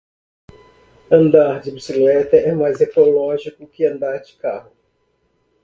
Andar de bicicleta é mais ecológico que andar de carro.